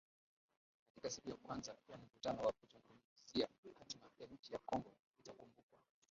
katika siku ya kwanza ya mkutano wa kuzungumzia hatma ya nchi ya Kongo itakumbukwa